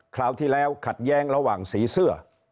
คราวที่แล้วขัดแย้งระหว่างสีเสื้อ